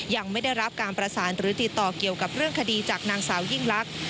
ยังไม่ได้รับการประสานหรือติดต่อเกี่ยวกับเรื่องคดีจากนางสาวยิ่งลักษณ